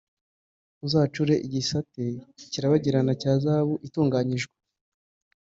Uzacure igisate kirabagirana cya zahabu itunganyijwe